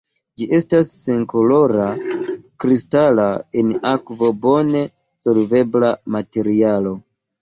Ĝi estas senkolora, kristala, en akvo bone solvebla materialo.